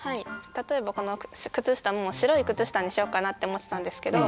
例えばこの靴下も白い靴下にしようかなって思ってたんですけど